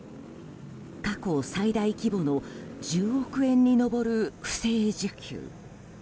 過去最大規模の１０億円に上る不正受給。